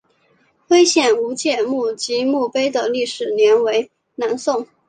徽县吴玠墓及墓碑的历史年代为南宋。